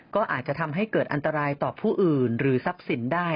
ก็อาจจะทำให้เกิดอันตรายต่อผู้อื่นหรือทรัพย์สินได้